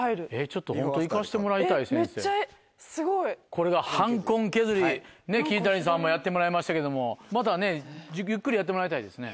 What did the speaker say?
これが瘢痕削り桐谷さんもやってもらいましたけどもまたねゆっくりやってもらいたいですね。